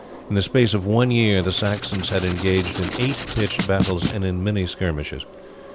In the space of one year the Saxons had engaged in eight pitched battles and in many skirmishes.